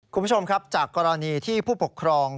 คุณผู้ชมครับจากกรณีที่ผู้ปกครอง